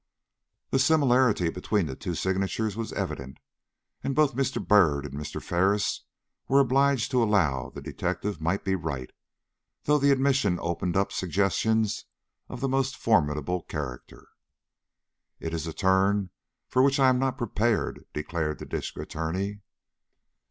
The similarity between the two signatures was evident, and both Mr. Byrd and Mr. Ferris were obliged to allow the detective might be right, though the admission opened up suggestions of the most formidable character. "It is a turn for which I am not prepared," declared the District Attorney.